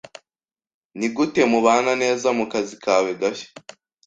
Nigute mubana neza mukazi kawe gashya?